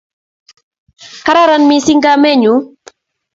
Kararan mising kamenyu